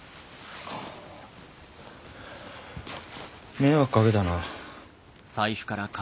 迷惑かけたな。